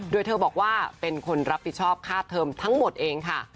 โดยเธอบอกว่าเป็นคนรับผิดชอบค่าเทอมทั้งหมดเองค่ะ